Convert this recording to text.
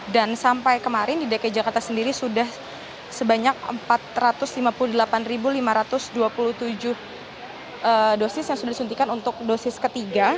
dan sampai kemarin di dki jakarta sendiri sudah sebanyak empat ratus lima puluh delapan lima ratus dua puluh tujuh dosis yang sudah disuntikan untuk dosis ketiga